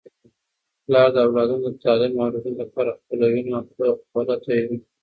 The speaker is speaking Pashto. پلار د اولادونو د تعلیم او روزنې لپاره خپله وینه او خوله تویوي.